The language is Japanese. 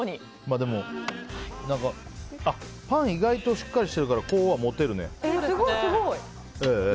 でもパン意外としっかりしてるからこうは持てるね。